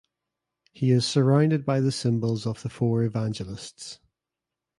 He is surrounded by the symbols of the Four Evangelists.